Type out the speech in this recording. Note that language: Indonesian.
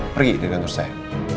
pergi dari kantor saya